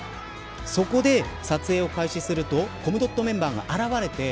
そこで撮影を開始するとコムドットメンバーが現れて